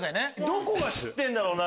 どこが知ってんだろうな？